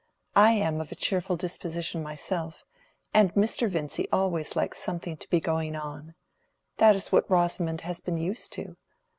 I am of a cheerful disposition myself, and Mr. Vincy always likes something to be going on. That is what Rosamond has been used to.